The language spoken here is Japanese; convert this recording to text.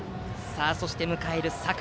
そして、迎える佐倉。